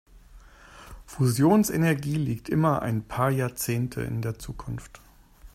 Fusionsenergie liegt immer ein paar Jahrzehnte in der Zukunft.